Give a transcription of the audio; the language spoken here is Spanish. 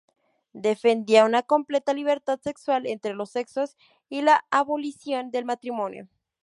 Defendían una completa libertad sexual entre los sexos y la abolición del matrimonio.